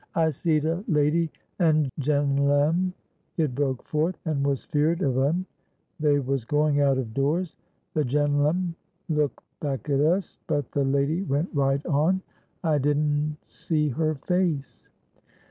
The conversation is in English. "I seed a lady and genle'm," it broke forth, "and was feared of un. They was going out of doors. The genle'm look back at us, but the lady went right on. I didn' see her face."